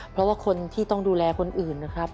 เพราะว่าคนที่ต้องดูแลคนอื่นนะครับ